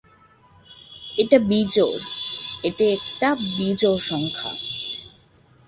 এটা বিজোড়, এটা একটা বিজোড় সংখ্যা।